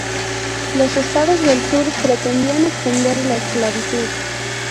Los estados del sur pretendían extender la esclavitud.